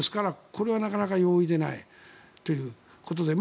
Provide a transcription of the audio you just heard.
これはなかなか容易でないということで。